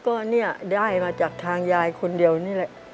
ก็เนี่ยได้มาจากทางยายคนเดียวนี่แหละ